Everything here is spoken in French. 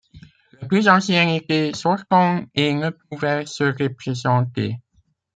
Le plus ancien était sortant et ne pouvait se représenter.